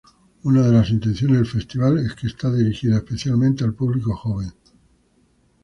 Una de las intenciones del festival es que está dirigido especialmente al público joven.